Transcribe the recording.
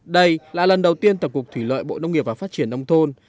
đây là lần đầu tiên tổng cục thủy lợi bộ nông nghiệp và phát triển nông thôn